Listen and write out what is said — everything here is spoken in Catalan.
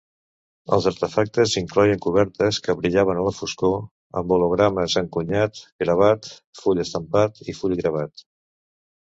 Els artefacte incloïen cobertes que brillaven a la foscor, amb hologrames, encunyat, gravat, full estampat i full gravat.